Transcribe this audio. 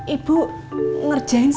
ibu ngerjain semua ini